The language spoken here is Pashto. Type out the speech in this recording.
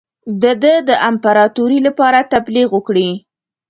د ده د امپراطوری لپاره تبلیغ وکړي.